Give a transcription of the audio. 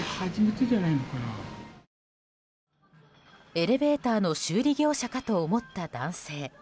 エレベーターの修理業者かと思った男性。